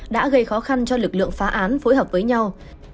đã gây khó khăn cho lực lượng phá án phối hợp với nhau